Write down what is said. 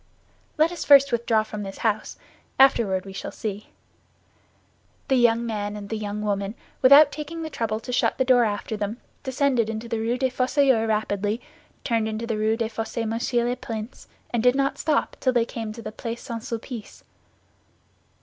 "Let us first withdraw from this house; afterward we shall see." The young woman and the young man, without taking the trouble to shut the door after them, descended the Rue des Fossoyeurs rapidly, turned into the Rue des Fossés Monsieur le Prince, and did not stop till they came to the Place St. Sulpice.